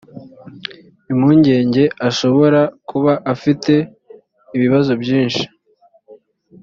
impungenge ashobora kuba afite ibibazo byinshi